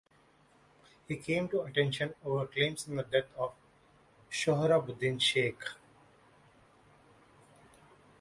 He came to attention over claims in the death of Sohrabuddin Sheikh.